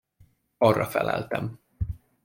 Arra feleltem!